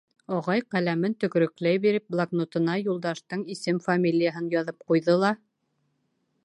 Ағай, ҡәләмен төкөрөкләй биреп, блокнотына Юлдаштың исем-фамилияһын яҙып ҡуйҙы ла: